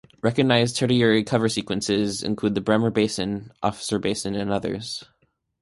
Recognised Tertiary cover sequences include the Bremer Basin, Officer Basin and others.